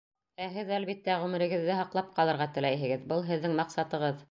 Ә һеҙ, әлбиттә, ғүмерегеҙҙе һаҡлап ҡалырға теләйһегеҙ, был һеҙҙең маҡсатығыҙ.